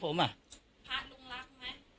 ภาดลุงรักหรือนง่าย